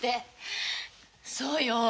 そうよ！